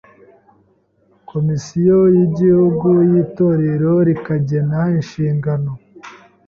Komisiyo y’Igihugu y’Itorero rikagena inshingano,